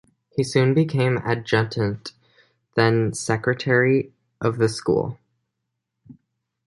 He soon became adjutant, then secretary of the school.